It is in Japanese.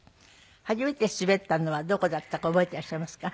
初めて滑ったのはどこだったか覚えていらっしゃいますか？